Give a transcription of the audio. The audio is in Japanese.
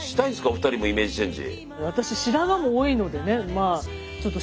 お二人もイメージチェンジ。